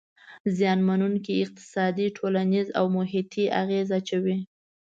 زیانمنووونکي اقتصادي، ټولنیز او محیطي اغیز اچوي.